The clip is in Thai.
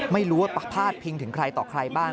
ไม่รู้ว่าพาดพิงถึงใครต่อใครบ้าง